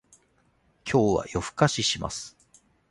今日は夜更かしします